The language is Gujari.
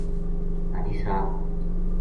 حاجی صاحب